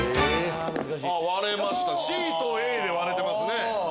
割れましたＣとＡで割れてますね。